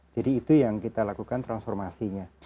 jadi itu yang kita lakukan transformasinya